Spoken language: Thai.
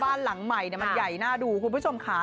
บ้านหลังใหม่มันใหญ่น่าดูคุณผู้ชมค่ะ